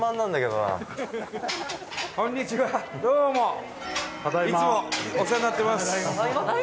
どうも。